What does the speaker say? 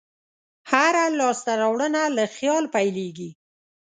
هره لاسته راوړنه له خیال پیلېږي.